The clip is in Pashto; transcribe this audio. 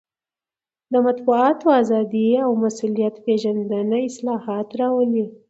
د مطبوعاتو ازادي او مسوولیت پېژندنه اصلاحات راولي.